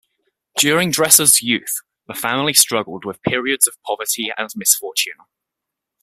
During Dresser's youth the family struggled with periods of poverty and misfortune.